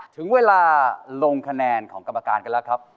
ถึงเวลาลงคะแนนของกรรมการกันแล้วครับ